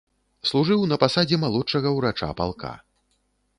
Служыў на пасадзе малодшага ўрача палка.